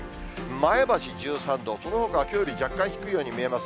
前橋１３度、そのほかはきょうより若干低いように見えます。